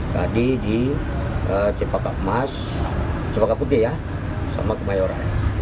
tadi di cempaka putih ya sama kemayoran